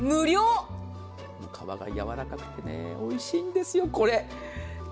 皮がやわらかくて、おいしいんですよ。